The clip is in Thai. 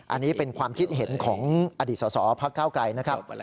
อันนี้เป็นความคิดเห็นของอดีตสอพักเก้าไกรนะครับ